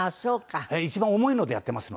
私は一番軽いのでやってます。